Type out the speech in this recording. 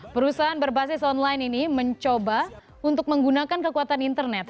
perusahaan berbasis online ini mencoba untuk menggunakan kekuatan internet